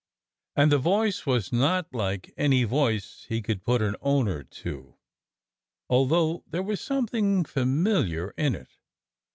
And the voice was not like any voice he could put an owner to, although there was something familiar in it.